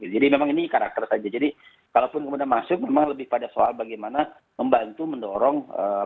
jadi memang ini karakter saja jadi kalaupun kemudian masuk memang lebih pada soal bagaimana membantu mendorong